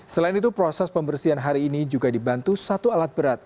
selain itu proses pembersihan hari ini juga dibantu satu alat berat